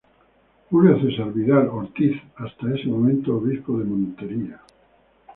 Julio Cesar Vidal Ortiz, hasta ese momento Obispo de Montería.